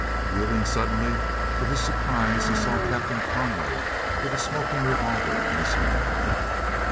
Wheeling suddenly, to his surprise he saw Captain Conway with a smoking revolver in his hand.